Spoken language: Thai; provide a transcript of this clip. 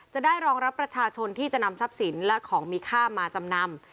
จะได้รองรับประชาชนที่จะนำทรัพย์สินและของมีค่ามาจำนำ